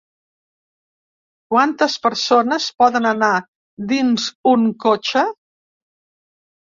Quantes persones poden anar dins un cotxe?